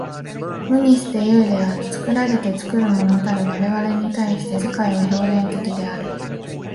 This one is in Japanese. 無にして有である。作られて作るものたる我々に対して、世界は表現的である。